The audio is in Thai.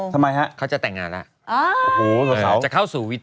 ทำไมฮะเขาจะแต่งงานแล้วโอ้โหจะเข้าสู่วิทย